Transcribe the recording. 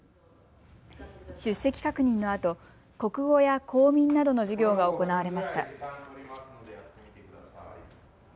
出席確認のあと、国語や公民などの授業が行われました。